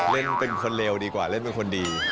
เล่นเป็นคนเลวดีกว่าเล่นเป็นคนดี